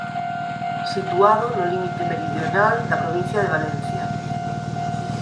Situado no límite meridional da provincia de Valencia.